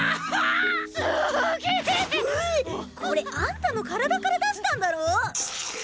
これあんたの体から出したんだろ？